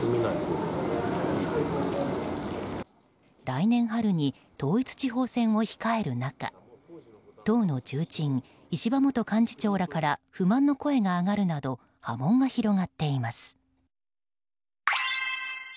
来年春に統一地方選を控える中党の重鎮、石破元幹事長らから不満の声が上がるなど波紋が広がっています。